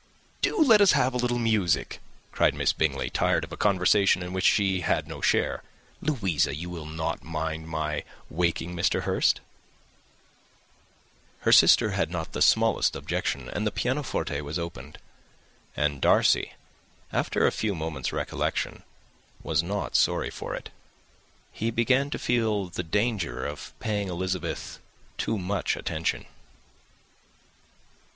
"Do let us have a little music," cried Miss Bingley, tired of a conversation in which she had no share. "Louisa, you will not mind my waking Mr. Hurst." Her sister made not the smallest objection, and the pianoforte was opened; and Darcy, after a few moments' recollection, was not sorry for it. He began to feel the danger of paying Elizabeth too much attention.